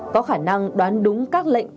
có khả năng đoán đúng các lệnh